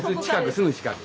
すぐ近く。